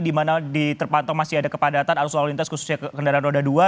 di mana di terpantau masih ada kepadatan arus lalu lintas khususnya kendaraan roda dua